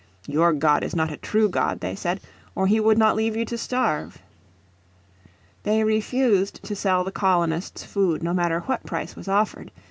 "Your God is not a true god," they said, "or he would not leave you to starve." They refused to sell the colonists food no matter what price was offered.